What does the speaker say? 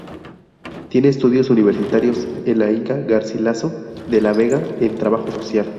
Tiene estudios universitarios en la Inca Garcilaso de la Vega en Trabajo Social.